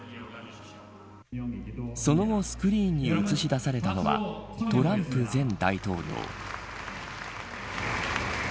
その後スクリーンに映し出されたのはトランプ前大統領。